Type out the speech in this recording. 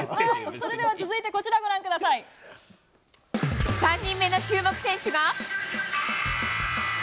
それでは、続いてこちらご覧３人目の注目選手が。